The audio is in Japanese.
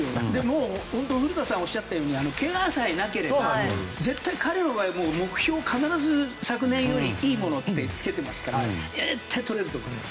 古田さんがおっしゃったようにけがさえなければ絶対に彼の場合目標を必ず昨年よりもいいものってつけていますから絶対とれると思う。